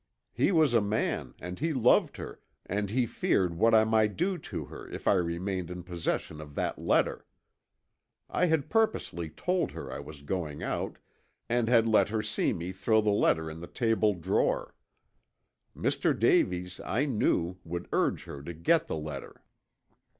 He was a man and he loved her and he feared what I might do to her if I remained in possession of that letter. I had purposely told her I was going out and had let her see me throw the letter in the table drawer. Mr. Davies, I knew, would urge her to get the letter.